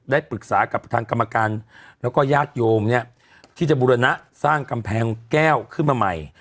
ได้ปรึกษากับทางกรรมการแล้วก็ญาติโยมเนี่ยที่จะบุรณะสร้างกำแพงแก้วขึ้นมาใหม่